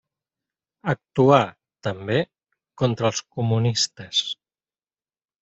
Actuà, també, contra els comunistes.